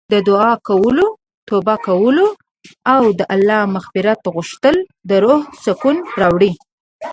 د دعا کولو، توبه کولو او د الله مغفرت غوښتل د روح سکون راوړي.